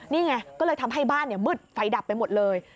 นี่ไงก็เลยทำให้บ้านมืดไฟดับไปหมดเลย